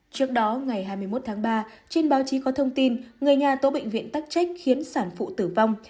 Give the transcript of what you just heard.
trước đó ngày hai mươi một tháng ba trên báo chí có thông tin người nhà tố bệnh viện tắc trách khiến sản phụ tử vong